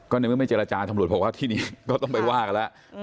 ในเมื่อไม่เจรจาตำรวจบอกว่าที่นี้ก็ต้องไปว่ากันแล้ว